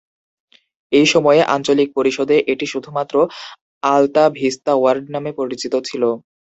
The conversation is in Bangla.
এই সময়ে, আঞ্চলিক পরিষদে এটি শুধুমাত্র আলতা ভিস্তা ওয়ার্ড নামে পরিচিত ছিল।